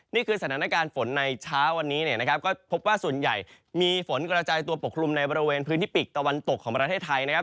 นี่คือสถานการณ์ฝนในเช้าวันนี้เนี่ยนะครับก็พบว่าส่วนใหญ่มีฝนกระจายตัวปกคลุมในบริเวณพื้นที่ปีกตะวันตกของประเทศไทยนะครับ